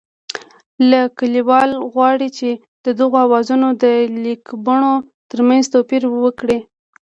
که لیکوال غواړي چې د دغو آوازونو د لیکبڼو ترمنځ توپیر وکړي